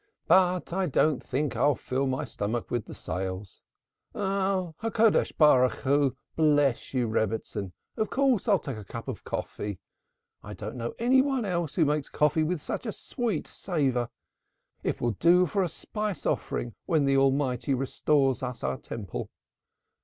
But I don't think I shall fill my stomach with the sales. Oh! the Holy One, blessed be He, bless you, Rebbitzin, of course I'll take a cup of coffee; I don't know any one else who makes coffee with such a sweet savor; it would do for a spice offering when the Almighty restores us our Temple.